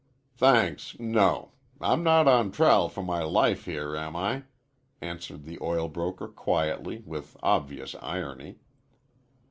"Thanks, no. I'm not on trial for my life here, am I?" answered the oil broker quietly, with obvious irony.